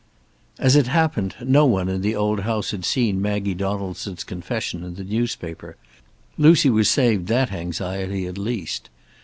As it happened, no one in the old house had seen Maggie Donaldson's confession in the newspaper. Lucy was saved that anxiety, at least.